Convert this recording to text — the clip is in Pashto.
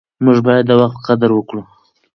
موږ باید د وخت قدر وکړو.